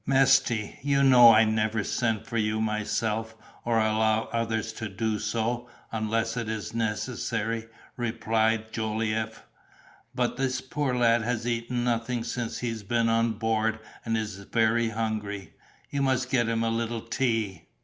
'" "Mesty, you know I never send for you myself, or allow others to do so, unless it is necessary," replied Jolliffe; "but this poor lad has eaten nothing since he has been on board and is very hungry—you must get him a little tea."